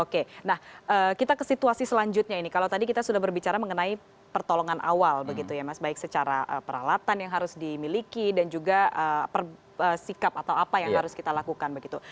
oke nah kita ke situasi selanjutnya ini kalau tadi kita sudah berbicara mengenai pertolongan awal begitu ya mas baik secara peralatan yang harus dimiliki dan juga sikap atau apa yang harus kita lakukan begitu